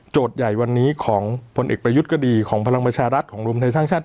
ใหญ่วันนี้ของผลเอกประยุทธ์ก็ดีของพลังประชารัฐของรวมไทยสร้างชาติ